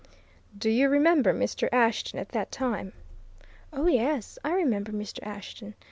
"Do you remember Mr. Ashton at that time?" "Oh, yes I remember Mr. Ashton.